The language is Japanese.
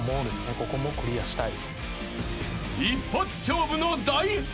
ここもクリアしたい。